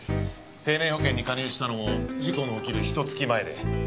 生命保険に加入したのも事故の起きるひと月前で。